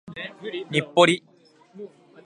日暮里